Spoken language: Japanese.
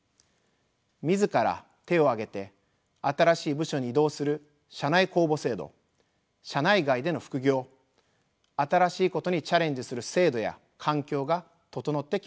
自ら手を挙げて新しい部署に移動する社内公募制度社内外での副業新しいことにチャレンジする制度や環境が整ってきました。